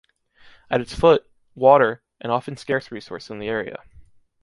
At its foot, water, an often scarce resource in the area.